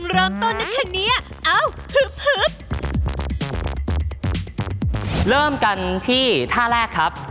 เริ่มกันที่ท่าแรกครับ